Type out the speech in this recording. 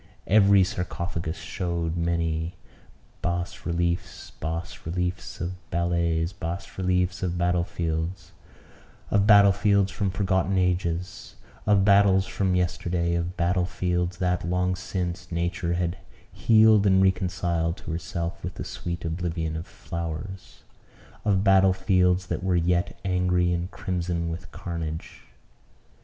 Every sarcophagus showed many bas reliefs bas reliefs of battles bas reliefs of battle fields; of battles from forgotten ages of battles from yesterday of battle fields that, long since, nature had healed and reconciled to herself with the sweet oblivion of flowers of battle fields that were yet angry and crimson with carnage.